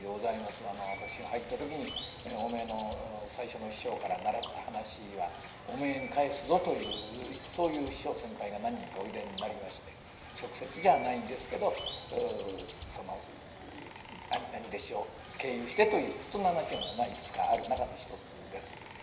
私が入った時に「おめえの最初の師匠から習った噺はおめえに返すぞ」というそういう師匠先輩が何人かおいでになりまして直接じゃないんですけどその兄弟子を経由してというそんな噺がいくつかある中の一つです。